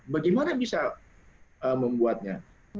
bagaimana bisa membuatnya